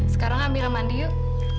sekarang amira mandi yuk